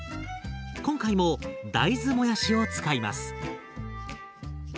今回も大豆もやしを使います。